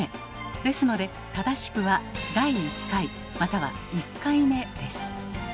ですので正しくは「第一回」または「一回目」です。